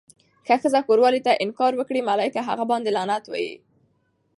که ښځه کوروالې ته انکار وکړي، ملايکه هغه باندې لعنت وایی.